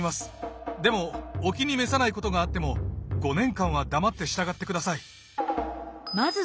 でもお気に召さないことがあっても５年間は黙って従ってください。